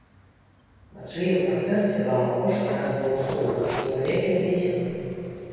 На чыім канцэрце вам апошні раз было сумна, і на якім весела?